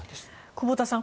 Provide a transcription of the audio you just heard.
久保田さん